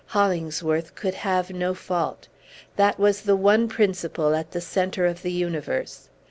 Hollingsworth could have no fault. That was the one principle at the centre of the universe.